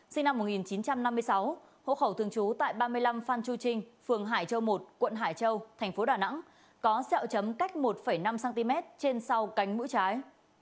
sinh năm một nghìn chín trăm năm mươi sáu hộ khẩu thường trú tại ba mươi năm phan chu trinh phường hải châu một quận hải châu thành phố đà nẵng có xeo chấm cách một năm cm trên sau cánh mũi trái